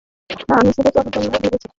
না, আমি শুধু তোর জন্যই ভেজেছি।